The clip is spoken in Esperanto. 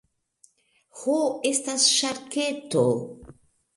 Ho estas ŝarketo.